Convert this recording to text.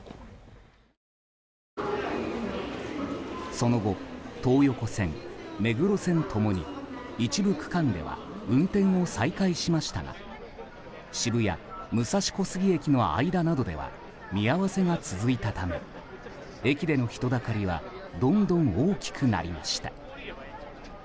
その後東横線、目黒線共に一部区間では運転を再開しましたが渋谷武蔵小杉駅の間などでは見合わせが続いたため駅での人だかりはどんどん大きくなりました。